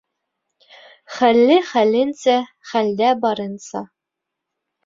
Хәлле хәленсә, хәлдә барынса.